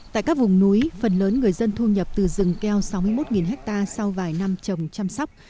tại các vùng núi phần lớn người dân thu nhập từ rừng keo sáu mươi một ha sau vài năm trồng chăm sóc